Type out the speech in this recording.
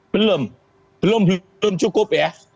belum belum cukup ya